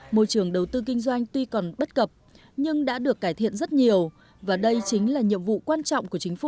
môi trường đầu tư kinh doanh tuy còn bất cập nhưng đã được cải thiện rất nhiều và đây chính là nhiệm vụ quan trọng của chính phủ